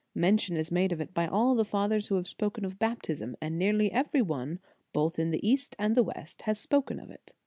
Mention is made of it by all the Fathers who have spoken of Baptism, and nearly every one both in the East and the West has spoken of it.